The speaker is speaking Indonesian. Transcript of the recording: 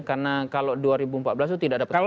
karena kalau dua ribu empat belas itu tidak ada pertahanan